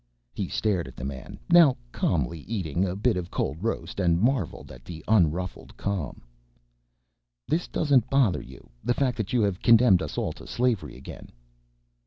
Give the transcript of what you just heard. He stared at the man, now calmly eating a bit of cold roast and marveled at the unruffled calm. "This doesn't bother you, the fact that you have condemned us all to slavery again?"